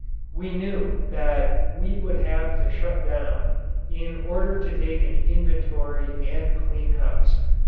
We knew that we would have to shut down in order to take an inventory and clean house.